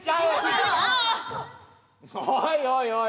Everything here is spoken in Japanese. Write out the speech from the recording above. おいおいおい。